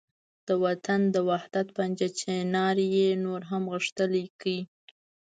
د وطن د وحدت پنجه چنار یې نور هم غښتلې کړ.